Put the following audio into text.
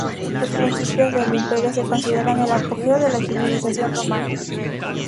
Los principios del Imperio se consideran el apogeo de la civilización romana.